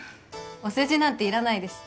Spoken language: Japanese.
お世辞なんていらないです